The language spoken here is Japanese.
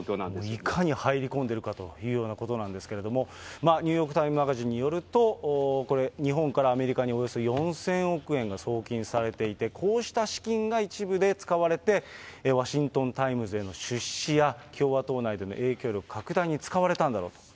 いかに入り込んでいるかということなんですけれども、ニューヨーク・タイムズ・マガジンによると、これ、日本からアメリカにおよそ４０００億円が送金されていて、こうした資金が一部で使われて、ワシントン・タイムズへの出資や、共和党内での影響力拡大に使われたんだろうと。